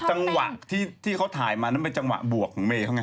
จังหวะที่เขาถ่ายมานั้นเป็นจังหวะบวกของเมย์เขาไง